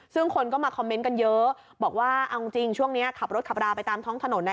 ซึ่งคนก็มาคอมเมนต์กันเยอะบอกว่าเอาจริงช่วงนี้ขับรถขับราไปตามท้องถนน